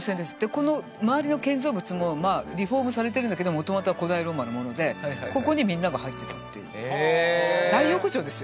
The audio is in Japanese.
この周りの建造物もリフォームされてるんだけど元々は古代ローマのものでここにみんなが入ってたっていうへえ大浴場ですよ